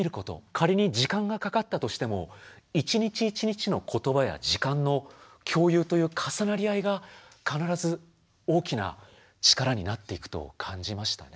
仮に時間がかかったとしても一日一日の言葉や時間の共有という重なり合いが必ず大きな力になっていくと感じましたね。